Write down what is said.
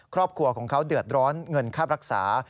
ครอบครัวของเขาเดือดร้อนเงินค่ารักษา